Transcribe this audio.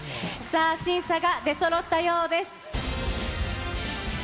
さあ、審査が出そろったようです。